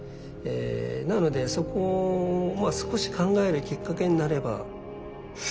なのでそこをまあ少し考えるきっかけになれば。